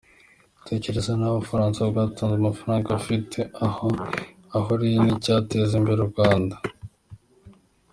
Tekereza nawe Ubufransa bwatanze amafaranga afite aho ahuriye n’icyateza imbere u Rwanda.